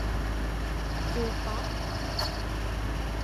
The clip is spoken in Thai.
จูป๊อป